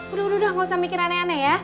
aduh udah gak usah mikir aneh aneh ya